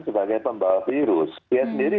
sebagai pembawa virus dia sendiri